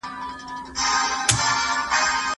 رسول الله زما پلار ته وويل.